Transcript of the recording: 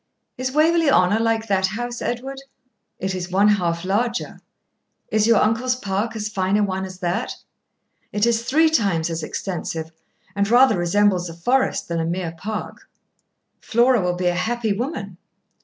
'Is Waverley Honour like that house, Edward?' 'It is one half larger.' 'Is your uncle's park as fine a one as that?' 'It is three times as extensive, and rather resembles a forest than a mere park.' 'Flora will be a happy woman.'